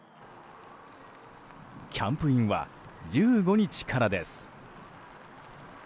キャンプインは１５日からです。